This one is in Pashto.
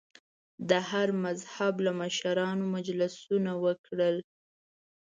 د هر مذهب له مشرانو مجلسونه وکړل.